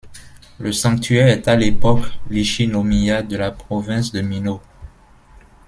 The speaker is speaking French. Le sanctuaire est à l'époque l'Ichi-no-miya de la province de Mino.